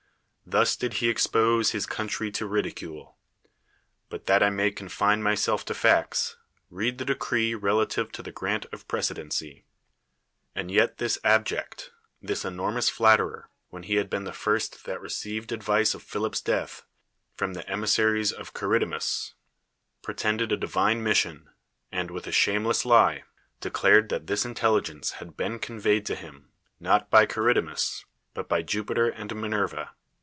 Thus did he expose his country to ridicule. But that I may confine mys<'ir to facts, read the decree relative to the gi ant of l»r<'C(.'d(.'ncy. 205 THE WORLD'S FAMOUS ORATIONS And yet this abject, this enormous flatterer, when he had been the first that received advice of Philip's death, from the emissaries of Chari demus, pretended a divine mission, and, with a shameless lie, declared that this intelligence had been conveyed to him, not by Charidemus, but by Jupiter and Minerva